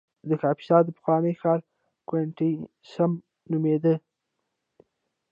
د کاپیسا د پخواني ښار کوینټیسیم نومېده